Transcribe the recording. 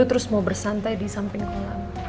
terus mau bersantai di samping kolam